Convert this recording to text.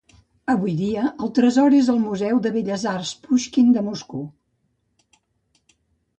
Avui dia, el tresor és al Museu de Belles Arts Puixkin de Moscou.